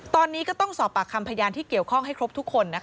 ตอนนี้ก็ต้องสอบปากคำพยานที่เกี่ยวข้องให้ครบทุกคน